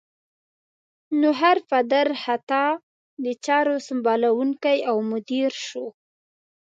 نو هر پدر خطا د چارو سمبالوونکی او مدیر شو.